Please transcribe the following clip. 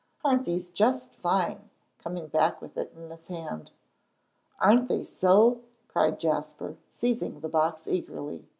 Aren't these just fine?" coming back with it in his hand. "Aren't they so?" cried Jasper, seizing the box eagerly.